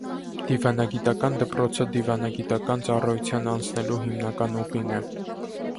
Դիվանագիտական դպրոցը դիվանագիտական ծառայության անցնելու հիմնական ուղին է։